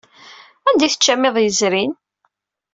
Anda ay teččam iḍ yezrin?